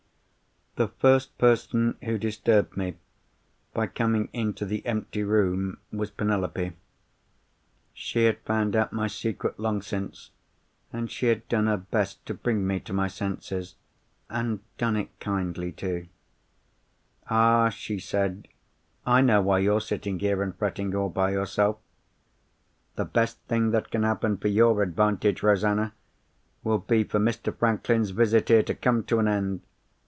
"The first person who disturbed me by coming into the empty room was Penelope. She had found out my secret long since, and she had done her best to bring me to my senses—and done it kindly too. "'Ah!' she said, 'I know why you're sitting here, and fretting, all by yourself. The best thing that can happen for your advantage, Rosanna, will be for Mr. Franklin's visit here to come to an end.